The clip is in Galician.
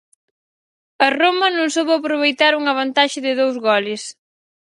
A Roma non soubo aproveitar unha vantaxe de dous goles.